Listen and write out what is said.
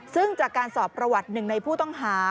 ซึ่งจากการสอบประวัติหนึ่งในผู้ต้องหา